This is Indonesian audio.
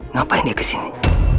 ngapain dia kesini